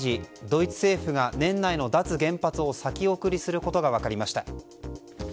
ドイツ政府が年内の脱原発を先送りすることが分かりました。